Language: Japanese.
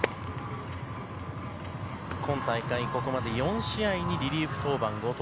今大会、ここまで４試合にリリーフ登板の後藤。